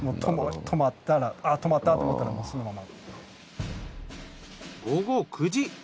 止まったらあっ止まったと思ったらそのまま。